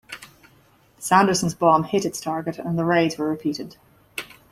Sanderson's bomb hit its target and the raids were repeated.